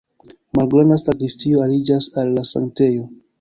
Malgranda sakristio aliĝas al la sanktejo.